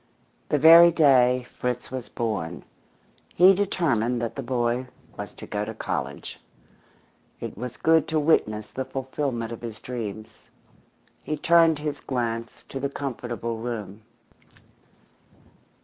The very day Fritz was born he determined that the boy was to go to college. It was good to witness the fulfilment of his dreams. He turned his glance to the comfortable room.